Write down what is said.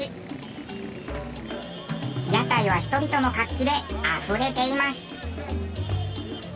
屋台は人々の活気であふれています。